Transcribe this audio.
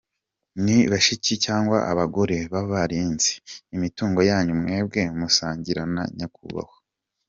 Ni bashiki cg abagore b’abarinze imitungo yanyu mwebwe musangira na Nyakubahwa